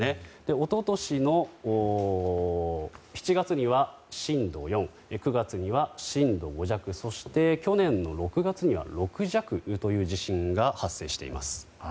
一昨年の７月には震度４９月には震度５弱そして、去年６月には６弱の地震が発生しています。